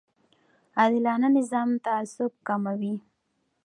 عادلانه نظام تعصب کموي